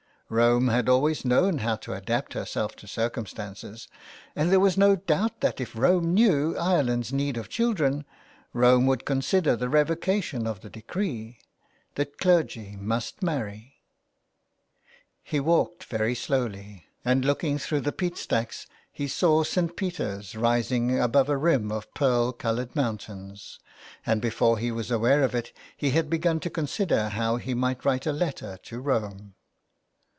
Rome had always known how to adapt herself to circumstances, and there was no doubt that if Rome knew Ireland's need of children 179 A LETTER TO ROME. Rome would consider the revocation of the decree — the clergy must marry. He walked very slowly, and looking through the peat stacks he saw St. Peter's rising above a rim of pearl coloured mountains, and before he was aware of it he had begun to consider how he might write a letter to Rome.